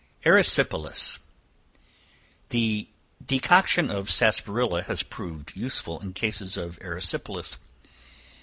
Erysipelas. The decoction of sarsaparilla has proved useful in cases of erysipelas.